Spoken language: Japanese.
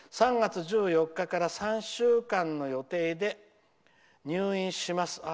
３月１４日から３週間の予定で入院します」。